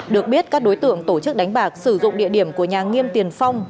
được biết các đối tượng tổ chức đánh bạc sử dụng địa điểm của nhà nghiêm tiền phong